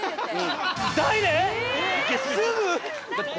すぐ。